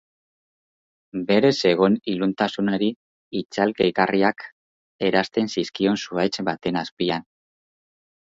Berez zegoen iluntasunari itzal gehigarriak eransten zizkion zuhaitz baten azpian.